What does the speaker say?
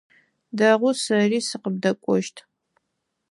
Дэгъу, сэри сыкъыбдэкӏощт.